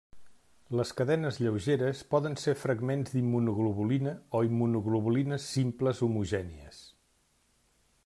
Les cadenes lleugeres poden ser fragments d'immunoglobulina o immunoglobulines simples homogènies.